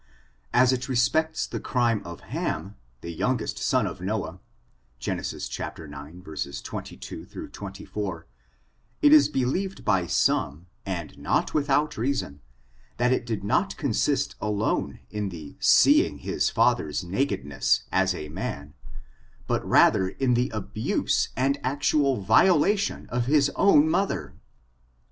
As it respects the crime of Ham, the youngest son of Noah, Gen. ix, 22 24, it is believed by some, and not without reason, that it did not consist alone in the seeing his father's nakedness, as a man^ but rather in the abuse and actual violation of his own mother.